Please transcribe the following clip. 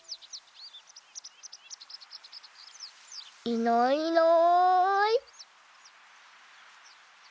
いないいない。